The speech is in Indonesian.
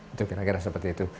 itu kira kira seperti itu